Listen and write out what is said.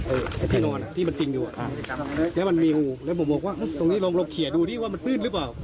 เอ่อเอ่อที่นอนอ่ะที่มันติ้งอยู่อ่ะแล้วมันมีฮูแล้วหมอบอกว่าฮึตรงนี้ลองเราเขียนดูดิว่ามันตื้นหรือเปล่า